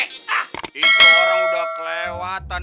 itu orang udah kelewatan